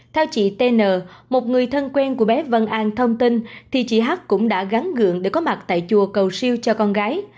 theo chị tn một người thân quen của bé văn an thông tin thì chị hát cũng đã gắn gượng để có mặt tại chùa cầu siêu cho con gái